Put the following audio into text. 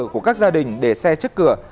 của các gia đình để xe trước cửa